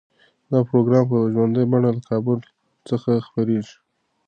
دا پروګرام په ژوندۍ بڼه له کابل څخه خپریږي.